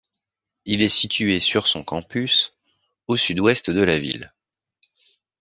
Il est situé sur son campus, au sud-ouest de la ville.